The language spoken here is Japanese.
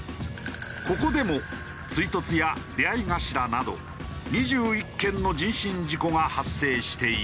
ここでも追突や出合い頭など２１件の人身事故が発生している。